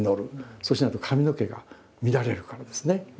そうしないと髪の毛が乱れるからですね。